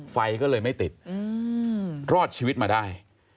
ไฟก็เลยไม่ติดรอดชีวิตมาได้